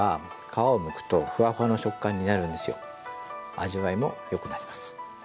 味わいもよくなります。